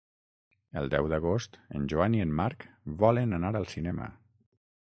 El deu d'agost en Joan i en Marc volen anar al cinema.